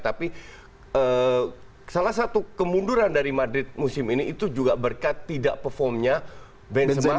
tapi salah satu kemunduran dari madrid musim ini itu juga berkat tidak performnya benchmark